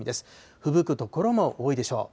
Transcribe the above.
ふぶく所も多いでしょう。